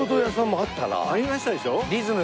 ありましたでしょう？